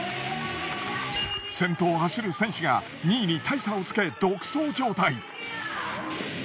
先頭を走る選手が２位に大差をつけ独走状態。